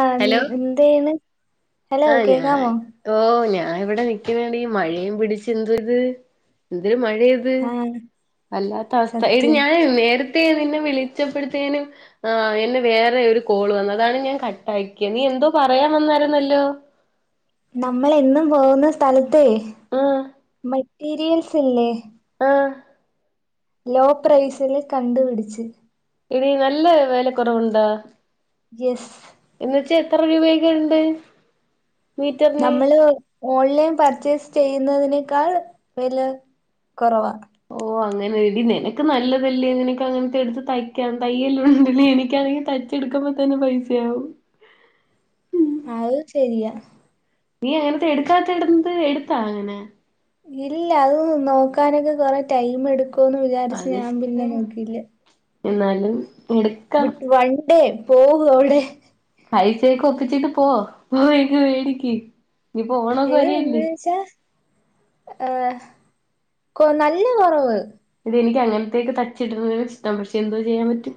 ആഹ് എൻ ഹലോ എന്തേന്ന് ഹലോ ആഹ് ഞാൻ കേക്കാമോ ഓ ഞാൻ ഇവിടെ നിക്ക്ണെടീ മഴയും പിടച്ച് എന്ത ഇത് എന്തൊരു മഴത് ത് ആഹ് അല്ലാത്ത അവസ്ഥ എടി സത്യം ഞാൻ നേര ത്തെ നിന്നെ വിളിച്ചപ്പെടുത്തേനും ആഹ് എന്നെ വേറെ ഒരു കോൾ വന്നു അതാണ് ഞാൻ കട് തയ്ക്ക നീ എന്തോ പറയാൻ വന്നാരുന്നല്ലോ നമ്മളെന്നും പോകുന്ന സ്ഥലത്തേ ആഹ് മെറ്റീരിയൽസില്ലേ ആഹ് ലോ പ്രസില് കണ്ടുപിടിച്ച് എടി നല്ല വെലക്കോറവോണ്ടാ യെസ് എന്നച്ച എത്ര രൂപയൊക്കെ ഉണ്ട് മീറ്ററിന് നമ്മള് ഓൺലൈൻ പർച്ചേസ് ചെയ്യുന്നതിനേക്കാൾ വെല കൊറവാ ഓഹ് അങ്ങനെ എടി നിനക്ക് നല്ലതല്ലേ നിനങ്ങനത്തെ എടുത്ത് തയ്ക്കാൻ തയ്യെ [unintelligible] എനിക്കാണങ്കി ത ച്ചേടുക്കമ്പത്തന്നെ പൈസയാവും അവ് ശെരിയാ നീ അങ്ങനത്തെ എടുക്കാത്ത ഇടണത് എടുത്താ അങ്ങനെ ഇല്ല അത് നോക്കാനൊക്കെ കൊറെ ടൈമെടുക്കുന്ന് വിചാരിച്ച് അത് ഞാൻ ശരി പിന്നെ നോക്കിലാ എന്നാലും എടു വിട്ട് വണ്ടി പോകും അവടെ പൈസെക്കെ ഒപ്പിച്ചിട്ട് പോ പോയിങ്ങ് വേടിക്ക് നിപ്പോ ഓണക്കെ ഏഹ് എന്ന് വര്യല്ലേ വെച്ചാ ഏഹ് കൊ നല്ല കൊറവ് എടി എനിക്ക് അങ്ങനത്തേക്ക് തച്ചിടണതാ ഇഷ്ട്ടം പഷേ എന്തോ ചെയ്യാൻ പറ്റും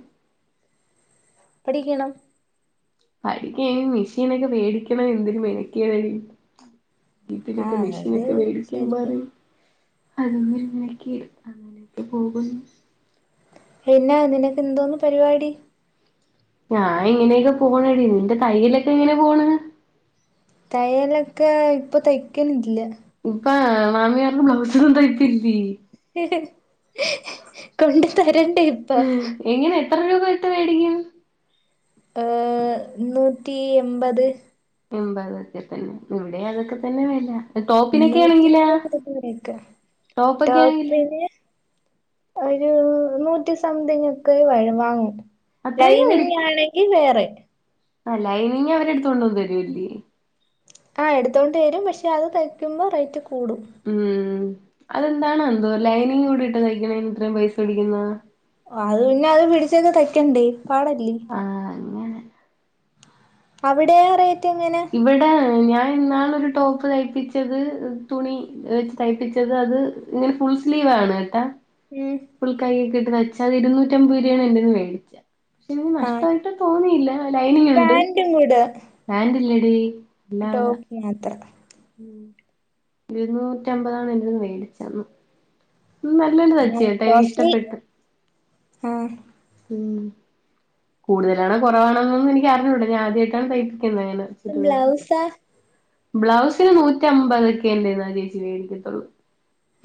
പഠിക്കണം പഠിക്കനി മെഷീനൊക്കെ വേടിക്കണം എന്തൊരു മേനക്കേടടി വീട്ടിലൊക്കെ ആഹ് അത് മെഷീനൊക്കെ മേടിക്കാൻ ശരിയാ [unintelligible] അതൊന്നും ഇങ്ങനക്കേ അങ്ങനെയൊക്കെ പോകുന്നു പിന്നെ നിനക്ക് എന്തോന്ന് പരിപാടി ഞാൻ ഇങ്ങനെയൊക്കെ പോണടി നിന്റെ തയ്യിലൊക്കെ എങ്ങനെ പോണ് തയ്യലൊക്കെ ഇപ്പോ തയ്ക്കണില്ല ഉപ്പ മാമിയാരൊന്നും ബ്ലൗസൊന്നും തയ്പ്പില്ലേ കൊണ്ട് തരണ്ടേ ഇപ്പൊ ഏഹ് എങ്ങനെ എത്ര രൂപ ഇട്ട് വേടിക്കും ഏഹ് നൂറ്റി എമ്പത് എമ്പതൊക്കെ തന്നെ ഇവിടെ അതൊക്കെ തന്നെ വെല നൂറ്റിമ്പത് ഇരുനുറോക്കേ ടോപ്പൊക്കെ ആണെങ്കിൽ ടോപ്പിന് ഒരു നൂറ്റി സംതിങ് ഒക്കെ വഴും വാങ്ങും അത്രയൊക്കെ ലൈനിങ് ആണെങ്കി വേറെ ആഹ്‌ ലൈനിങ് അവര് എടുത്തോണ്ട് വന്നു തരുലേ ആഹ് എടുത്തോണ്ട് വരും പഷേ അത് തയ്ക്കുമ്പോ റേറ്റ് കൂടും ഉം അതെന്താണ് എന്തോ ലൈനിങ് കൂടി ഇട്ട് തയ്ക്കണേന് ഇത്രയും പൈസ വേടിക്കുന്നാ ആഹ് പിന്നെ അത് പിടിച്ചങ്ങ് തയ്ക്കണ്ടേ പാടല്ലേ ആഹ് അങ്ങനെ അവടെയാ റേറ്റ് എങ്ങനെ ഇവടെ ഞാൻ ഇന്നാള് ഒരു ടോപ്പ് തയ്പ്പിച്ചത് തുണി വെച്ച് തയ്പ്പിച്ചത് അത് ഇങ്ങനെ ഫുൾ സ്ലീവാണ് കേട്ടാ ഉം ഫുൾ കയ്യൊക്കിട്ട് തയ്ച്ച അത് ഇരുന്നൂറ്റമ്പത് രൂപയാണ് എന്റെന്ന് വേടിച്ചേ പഷേ ഇത് ആഹ് നഷ്ടായിട്ട് തോന്നിയില്ല ലൈനിങ്ണ്ട് [unintelligible] പാൻറ്റില്ലടി ടോപ്പ് മാത്രം ഉം ഇരുന്നൂറ്റമ്പതാണ് എന്റെന്ന് വേടിച്ച അന്ന് ആഹ് എനിക്ക് കോസ്റ്റ്ലി ഇഷ്ടപ്പെട്ട് ആഹ് ഉം കൂടുതലാണ് കൊറവാണെന്നൊന്നും എനിക്ക് അറിഞ്ഞൂട ഞാൻ ആദ്യായിട്ടാണ് തയ്പ്പിക്കുന്നന്നെ ബ്ലൗസാ ബ്ലൗസിന് നൂറ്റി അമ്പതൊക്കെ എന്റെന്ന് ആ ചേച്ചി മേടിക്കത്തുള്ളൂ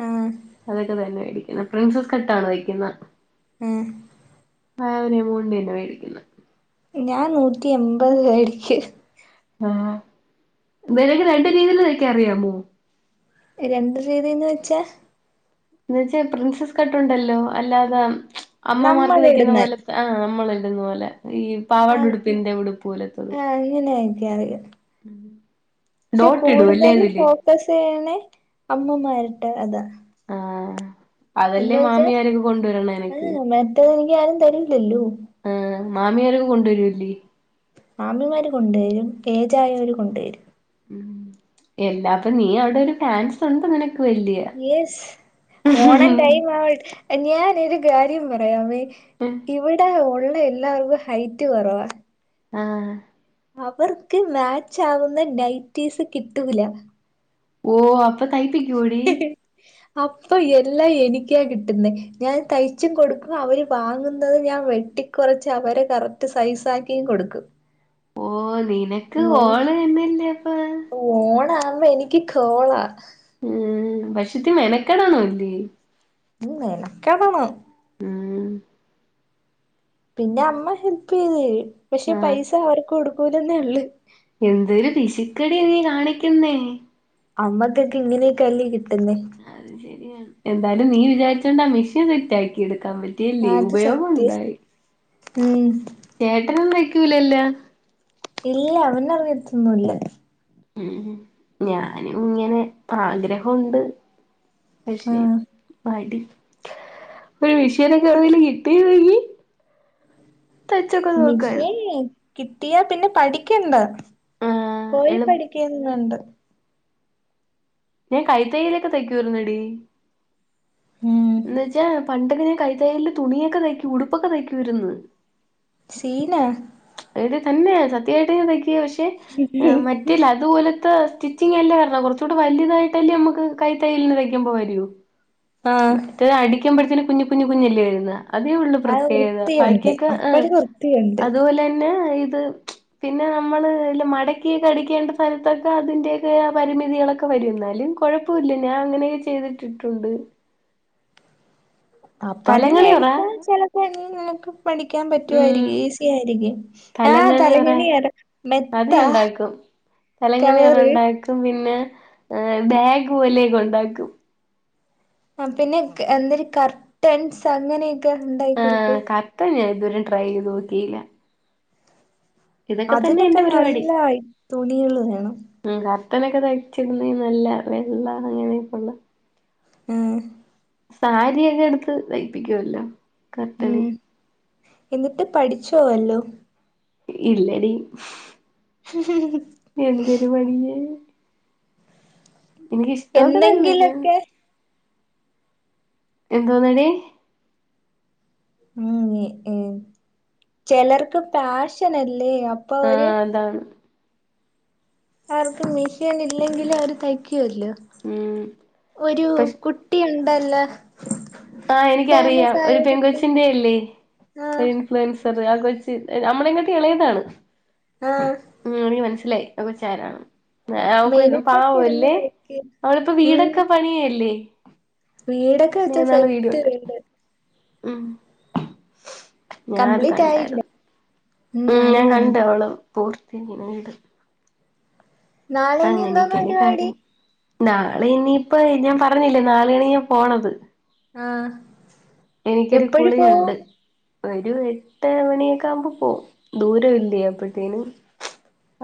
ഉം അതൊക്കെ തന്നെ മേടിക്കുന്ന് പ്രിൻസസ് കട്ടാണോ തയ്ക്കുന്ന് ഉം [unintelligible] വേടിക്കുന്ന് ഞാൻ നൂറ്റി എമ്പത് [unintelligible] ആഹ് വേണങ്കി രണ്ട് രീതീല് തയ്‌ക്ക അറിയാമോ രണ്ട് രീതിന്ന് വെച്ചാ എന്ന് വെച്ച പ്രിൻസസ് കട്ടുണ്ടല്ലോ അല്ലാതെ അമ്മമാർക്ക് തയ്ക്കുന്ന നമ്മളിടുന്ന പോലെ ആഹ് നമ്മള് ഇടുന്ന പോലെ ഈ പാവാട ഉടുപ്പിന്റെ ഉടുപ്പ് പോലെത്തത് അങ്ങനെയ്ക്കാനറിയോ ഡോട്ട് ഇടുംല്ലേ അതില് [unintelligible] അമ്മമാരിട്ട അതോ ആ അതല്ലേ മാമിമാരൊക്കെ കൊണ്ടുവരണ് എനക്ക് ആ മറ്റേത് എനിക്ക് ആരും തരില്ലല്ലോ ആഹ് മാമിയാരൊക്കെ കൊണ്ടുവരുല്ലേ മാമിമാർ കൊണ്ടുവരും ഏജായവർ കൊണ്ടുവരും ഉം എല്ലാപ്പ നീ അവിടെ ഒരു ഫാൻസൊണ്ട് നിനക്ക് വല്ല്യ. യെസ് ഓണം ടൈം ആവട് ഞാനൊരു കാര്യം പറയാമേ. എ. ഇവിട ഒള്ള എല്ലാവർക്കു ഹൈറ്റ് കൊറവാ. ആഹ്. അവർക്ക് മാച്ചാവുന്ന നൈറ്റീസ് കിട്ടൂല. ഓഹ് അപ്പ തൈപ്പിക്ക്യോ ടി. അപ്പ എല്ലാ എനിക്ക്യാ കിട്ടുന്നെ ഞാൻ തയ്ച്ചും കൊടുക്കും അവര് വാങ്ങുന്നത് ഞാ വെ ട്ടിക്കൊറച്ച് അവരെ കറക്റ്റ് സൈസാക്കിയും കൊടുക്കും. ഓഹ് നിനക്ക് കോള് തന്നെയല്ലെ പ്പാ. ഓണാകുമ്പ എനിക്ക് കോളാ. ഉം പക്ഷെ ത്തി മെനക്കെടന്നു ല്ലേ. ഉം മെനക്കെടണം. ഉം പിന്നെ അമ്മ ഹെൽപെയ്തേരു പക്ഷെ ആ പൈസ അവര്ക്ക് കൊടുക്കൂലന്നേള്ളൂ. എന്തൊരു പിശുക്കെടി നീ കാണിക്ക്യുന്നേ. അമ്മക്കക്കെ ഇങ്ങനെക്കല്ലെ കിട്ടുന്നെ. അഹ് ശരിയ എന്തായലും നീ വിചാരിച്ചൊണ്ട് ആ മിഷീൻ സെറ്റാക്കി എടുക്കാ പ ഇല്ലേ അത് സത്യം ഉപയോഗോണ്ടായി. ഉം. ചേട്ടനൊ തയ്ക്കൂലല്ലോ. ഇല്ല അവനറിയത്തൊന്നുല്ല. ഉം ഞാനുങ്ങനെ പ്പാഗ്രഹുണ്ട് പക്ഷെ. ആഹ് മടി പൊര് മിഷനൊക്കെ എവിട്ന്നേലും കിട്ടിയിരുന്നെങ്കി. തയ്ചൊക്കെ മിഷേ നോക്കായ്ര്ന്ന്. കിട്ടിയാ പിന്നെ പഠിക്ക്യണ്ടാ ആഹ് പോയി എളു പഠിക്ക്യൊന്നും വേണ്ട. ഞാൻ കൈതെയിലൊക്കെ തയ്ക്ക്യുവയ്ര്ന്നെടി. ഉം. ന്ന് വച്ചാ പണ്ടക്കെ ഞാ കൈത്തയ്യൽന് തുണിയൊക്കെ തയ്ക്കു ഉടുപ്പൊക്കെ തയ്ക്കൂവര്ന്ന്. സീനാ. എടി തന്നെ സത്യായിട്ട് ഞാ തയ്യ്ക്കു പക്ഷെ അ മറ്റെ ലതുപോലത്ത സ്റ്റി ച്ചിംഗല്ല വരണേ കൊർചൂടെ വല്ല്യുതായിട്ടല്ലേ അമ്മക്ക് കൈ തയ്യൽന് തയ്ക്കമ്പോ വര്യോ. ആഹ് ത്ത് അടിക്ക്യുമ്പഴത്തേന് കുഞ്ഞ് കുഞ്ഞ് കുഞ്ഞല്ലേ വരുന്നെ. അതേ ഉള്ളൂ അത് പ്രത്യേകത വൃത്തിയുണ്ട് ബാക്കിയൊക്കെ ആഹ് അപ്പഴ് വൃത്തിയുണ്ട് അതുപോലെ തന്നെ ഇത് പിന്നെ നമ്മള് ല്ലെ മടക്കിയൊക്കെ അടിക്കേണ്ട സ്ഥലത്തൊക്കെ അതിന്റെതായ പരിമിതികളൊക്കെ വരും എന്നാലും കൊഴപ്പംല്ല ഞാൻ അങ്ങനെ ചെയ്തിട്ടിട്ടുണ്ട് അപ്പൊ നീ തലങ്ങണി പറ മേടിച്ചാ ചെലപ്പോനി നിനക്ക് പഠിക്കാൻ ഉം പറ്റുവായിരിക്കും ഈസി ആയിരിക്കും ആഹ് തലങ്ങണി പറ തലങ്ങിണിയാണോ അത് ഞാ ഉണ്ടായെക്കും തലങ്ങിണിയാണോ കവറ് ഇണ്ടക്ക് അതും പിന്നെ ബാഗ് പോലെയൊക്കെ ഒണ്ടാക്കും അ പിന്നെ ക്ക എന്തര് കർട്ടൻസ് അങ്ങനെയൊക്കെ ഉണ്ടെങ്കി ആഹ് കർട്ടൻ ഞാൻ ഇതുവരെ ട്രൈ ചെയ്ത് നോക്കിയില്ല ഇതൊക്കെ തന്നെ അതിനൊക്കെ എന്റെ നല്ല ഈ തുണികള് വേണം മ് കർട്ടനെക്കെ തയ്ച്ചിടുന്നേന് നല്ല വെള്ള അങ്ങനെക്കെള്ള മ് സാരിയൊക്കെ എടുത്ത് തയ്പ്പിക്കുവല്ലോ കർട്ടന് ഉം എന്നിട്ട് പഠിച്ചോവല്ലോം? ഇല്ലടി എന്തൊരു പഠിക്കാനാ എനിക്ക് ഇഷ്ടമൊക്കെതന്നെ പക്ഷേ എന്തെങ്കിലൊക്കെ എന്തോനെടി.. മ് ഏ ഏഹ് ചെലർക്ക് പാഷനല്ലേ അപ്പൊ ഒര് എന്താണ് അവർക്ക് മിഷെൻഇല്ലെങ്കിലും അവര് തയ്യ് ക്കുവല്ലോ ഉം ഒരു പക്ഷെ കുട്ടി ഉണ്ടല്ല ആഹ് എനിക്കറിയാം ഒരു പെൺ കുട്ടി കൊച്ചിന്റെ അല്ലേ ആഹ് വെൻസറ് ആ കൊച്ചിന്റെ നമ്മളെക്കാട്ടി എളയതാണ് ആഹ് മ് എനിക്ക് മനസ്സിലായി അ കൊച്ചാരാണെന്ന് അഹ് അവക്ക് മെനക്കെട്ട് പാവ ഇരുന്ന് അല്ലേ തയ്ക്കും അവളിപ്പോ ഉം വീടൊക്കെ പണിയല്ലേ വീടൊക്കെ വെച്ച് സെറ്റ് വീട് മ് ഞാനത് കംപ്ലീറ്റ് ആയില്ല കണ്ടാരിന്ന് ഉം മ് ഞാനും ഞാൻ കണ്ടു കണ്ട് അവള് പൂർത്തിനി വീട് നാളെ ഇനി എന്തോന്ന് അങ്ങനെയൊക്കെയാണ് പരിപാടി കാര്യങ്ങള് നാളെ ഇനിയിപ്പ ഞാൻ പറഞ്ഞില്ലേ നാളെയാണ് ഞാൻ പോണത് ആഹ് എപ്പഴ് പോവും എനിക്കൊരുകുളിയോണ്ട് ഒരു എട്ട് മണിയൊക്കെ ആകുമ്പോ പോവും ദൂരം ഇല്ലേ അപ്പോഴുതെനും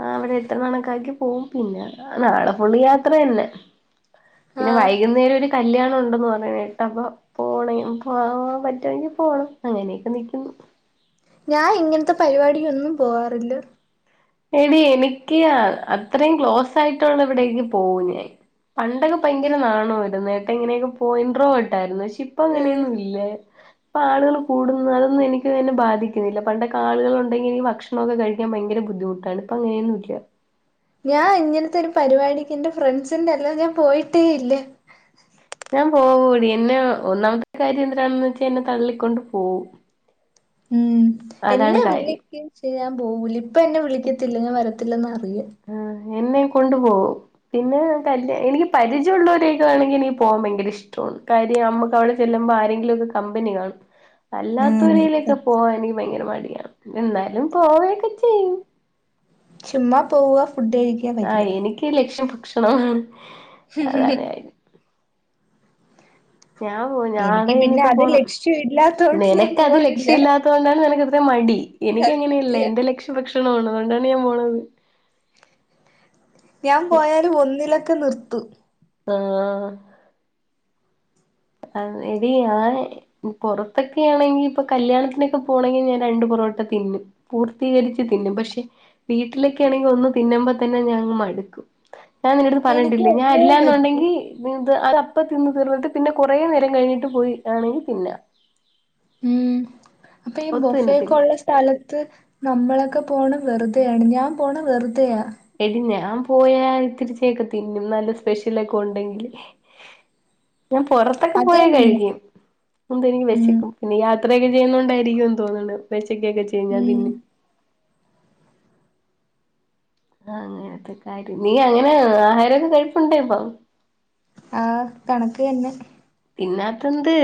ആ അവിടെ എത്ര കണക്കാക്കി പോവും പിന്നെ നാളെ ഫുള് യാത്ര തന്നെ പിന്നെ ആഹ് വൈകുന്നേരം ഒരു കല്യാണം ഉണ്ടെന്ന് പറയണ കേട്ട് അപ്പൊ പോണേയും പോവ പറ്റുങ്കിപോണം അങ്ങനെയൊക്കെ നിക്കുന്നു ഞാൻ ഇങ്ങൻത്തെ പരുവാടീഒന്നും പോവാറില്ല എടി എനിക്ക് അത്രേം ക്ലോസായിട്ടൊള്ളെവിടെയും പോവും ഞാൻ പണ്ട് ഭയങ്കര നാണവായിര്ന്ന് കേട്ട ഇങ്ങനെയെങ്ങും പോ ഇൻട്രോവേർട്ടായിര്ന്ന് ഏഹ് പക്ഷിപ്പങ്ങനെയൊന്നുവില്ല ഇപ്പ ആള്കള് കൂടുന്നു അതൊന്നും എനിക്ക് എന്നെ ബാധിക്ക്ന്നില്ല പണ്ടൊക്കെ ആള്കളൊണ്ടെങ്കി എനി ഭക്ഷ്ണവൊക്കെ കഴിക്കാൻ ഭയങ്കര ബുദ്ധിമു ട്ടാണ് ഇപ്പോ അങ്ങനെയൊന്നൂല്ല ഞാൻ ഇങ്ങനത്തെ ഒരു പരുവാടിക്കെന്റെ ഫ്രൺസ്ന്റെയല്ലാതെ ഞാൻ പോയിട്ടേയില്ല ഞാൻ പോവുവെടി എന്നെ ഒന്നാമത്തെ കാര്യവെന്ത് രാണെന്ന് വെച്ചാ എന്നെ തള്ളിക്കൊണ്ട് പോവും ഉം അതാണ് എന്നെ കാര്യം വിളിക്കും പക്ഷേ ഞാൻ പോവൂല ഇപ്പ എന്നെ വിളിക്കത്തില്ല ഞാൻ വരത്തില്ലന്നറിയ ആഹ് എന്നേം കൊണ്ടു പോവും പിന്നെ കല്യാ എനിക്ക് പരിചയൊള്ളോരെയൊക്കെയാണെങ്കി എനിക്ക് പോവാൻ ഭയങ്കര ഇഷ് ഷ്ടോണ് കാര്യം നമ്മക്ക് അവിടെ ചെല്ലുമ്പോ ആരെങ്കിലുവൊക്കെ കമ്പനി കാണും ഉം അല്ലാത്തോരേലൊക്കെ സത്യം പോവാൻ എനിക്ക് ഭയങ്കര മടിയാണ് എന്നാലും പോവേക്കെ ചെയ്യും ചുമ്മാ പോവാ ഫുഡഴി ആ എനിക്ക് ലക്ഷ്യം ഭക്ഷണവാണ് അതാണ് കാര്യം ഞാൻ പോവും എനിക്ക് ഞാനാടി പിന്നെ നിയപ്പൊ അത് പോണം ലക്ഷ്യം ഇല്ലാത്തോണ്ട് ഞാൻ നെനക്കത് പോവാറില്ല ലക്ഷ്യവില്ലാ കണ്ടോണ്ട് നെനക്കനട്ത്താ മടി എനിക്കങ്ങനെയല്ല സത്യം എന്റെ ലക്ഷ്യം ഭക്ഷണവാണ് അതുകൊണ്ടെന്നേ ഞാൻ പോണെ ഞാൻ പോയാല് ഒന്ന്ലൊക്കെ നിർത്തു ആഹ് ആഹ് എടി ആഹ് പുറത്തൊക്കെ ആണെങ്കി ഇപ്പൊ കല്യാണത്തിനൊക്കെ പോണേങ്കി ഞാൻ രണ്ട് പുറോട്ടെ തിന്നും പൂർത്തീകരിച്ച് തിന്നും പക്ഷെ വീട്ട്ലൊക്കേണെങ്കി ഒന്ന് തിന്നുമ്പൊത്തന്നെ ഞാനങ്ങ് മട്ക്കും ഞാൻ നിന്റട്ത്ത് എനിക്ക് പറഞ്ഞട്ടില്ലേ ഞാൻ ഒന്നേ പറ്റൂ അല്ലാന്നൊണ്ടെങ്കി ഇത് അതപ്പം തിന്ന് തീർന്ന്ട്ട് പിന്നെ കൊറേ നേരം കഴിഞ്ഞിട്ട് പോയി ആണെങ്കി തിന്നാ ഉം അപ്പെയീ ഒത്ത് തിന്നത്തില്ല ബൊഫെയൊക്കൊള്ള സ് കാലത്ത് നമ്മളൊക്കെ പോണ് വെറ്തെയാണ് ഞാൻ പോണ വെറ്തെയാ എടി ഞാൻ പോയാ ഇത്തിരിച്ചെയൊക്കെ തിന്നും നല്ല സ്പെഷ്യലൊക്കെ ഒണ്ടെങ്കില് ഞാൻ പൊറത്തൊക്കെ അത് പോയാ ഉം കഴിക്ക്യും എന്തോ എനിക്ക് ഉം. വെശക്കും പിന്നീ യാത്രയൊക്കെ ചെയ്യുന്നോ ണ്ടായിരിക്ക്വെന്ന് തോന്നണ്ട വെശക്കൊക്കെ ചെയ്യും ഞാൻ ഉം, തിന്നും അങ്ങനത്തെ കാര്യ നീ എങ്ങനെ ആഹാരവൊക്കെ കഴിപ്പുണ്ടോയിപ്പം ആഹ് കണക്ക് തന്നെ തിന്നാത്തെന്ത്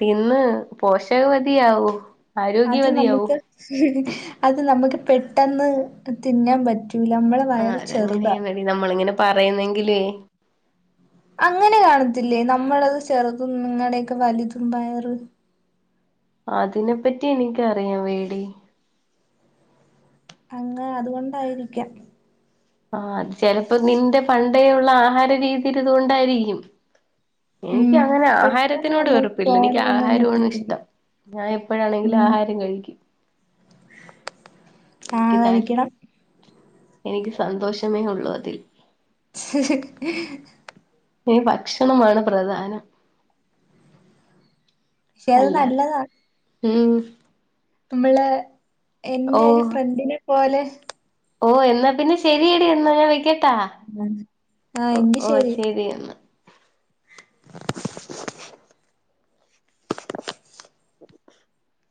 തിന്ന് പോഷക വധിയാവൂ അത് നമുക്ക് അത് നമുക്ക് പെട്ടെന്ന് തിന്നാൻ പറ്റൂല നമ്മളെ ആഹ് വയറ് ചെറുതാ. അതങ്ങനെയാന്നെടി നമ്മളിങ്ങനെ പറയുന്നെങ്കിലൈ അങ്ങനെ കാണത്തില്ലേ നമ്മളത് ചെറുതും നിങ്ങളടെയെക്കെ വലുതും വയറ് അതിനെപ്പറ്റി എനിക്കറിയാൻവയ്യെടീ അങ്ങ അതുകൊണ്ടായിരിക്കാം ആഹ് ചെലപ്പോ നിന്റെ പണ്ടേയൊള്ള ആഹാര രീതീടെത് കൊണ്ടായിരിക്കും ഉം. എനിക്കങ്ങനെ പെട്ടെന്ന് ആഹാരത്തിനോട് നമ്മൾക്ക് വെറുപ്പില്ല എനിക്ക് പോകാനൊന്നും പറ്റത്തില്ല. ആഹാരോണിഇഷ്ടം ഞാൻ എപ്പഴാണെങ്കിലും ഉം. ആഹാരം കഴിക്കും ആ എനിക്ക് താൽ കഴിക്കണം. എനിക്ക് സന്തോഷമേ ഒള്ളു അതിൽ [inaudible] [unintelligible] ഭക്ഷണമാണ് പ്രധാനം പക്ഷെ അത് അല്ല നല്ലതാ. ഉം നമ്മളെ ഓ എന്റെ ഒരു ഫ്രണ്ടിനെ പോലെ ഓ എന്നാ പിന്നെ ശെരിയെടി എന്നാ ഞാൻ വെക്കട്ടാ ആ ആ, ഓ എങ്കി ഓ ശരി ശെരി എന്നാ [inaudible] [inaudible]